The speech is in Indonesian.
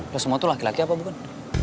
udah semua tuh laki laki apa bukan